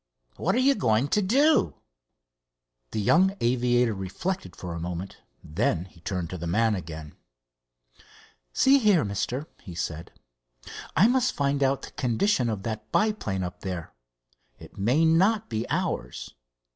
"What are you going to do?" The young aviator reflected for a moment. Then he turned to the man again. "See here, mister," he said, "I must find out the condition of that biplane up there. It may not be ours.